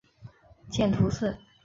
见图四。